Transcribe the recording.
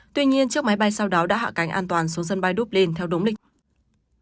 tuy nhiên chiếc máy bay sau đó đã hạ cánh an toàn xuống sân bay dublin theo đúng lịch